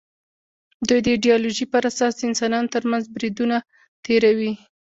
دوی د ایدیالوژۍ پر اساس د انسانانو تر منځ بریدونه تېروي